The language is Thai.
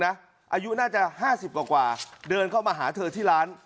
น่ะอายุน่าจะห้าสิบกว่ากว่าเดินเข้ามาหาเธอที่ร้าน